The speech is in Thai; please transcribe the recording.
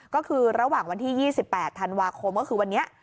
ก็คือระหว่างวันที่๒๘ธันวาคมก็คือวันนี้